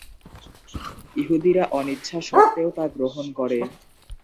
ইহুদিরা অনিচ্ছা স্বত্ত্বেও তা গ্রহণ করে।